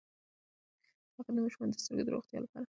هغې د ماشومانو د سترګو د روغتیا لپاره د سکرین وخت محدودوي.